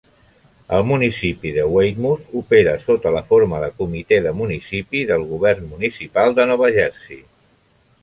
El municipi de Weymouth opera sota la forma de Comitè de Municipi del govern municipal de Nova Jersey.